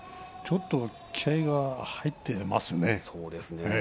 ちょっと気合いが入っていますね。